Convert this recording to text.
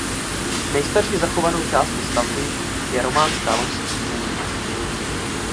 Nejstarší zachovanou částí stavby je románská loď s křížením.